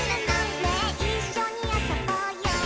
「ねえいっしょにあそぼうよ」